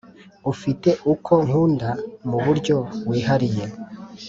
ufite uko nkunda mu buryo wihariye